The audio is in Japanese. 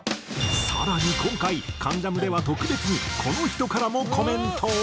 更に今回『関ジャム』では特別にこの人からもコメントを。